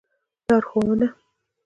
لار ښوونه